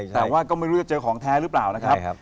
แต่ว่าก็ไม่รู้จะเจอของแท้หรือเปล่านะครับ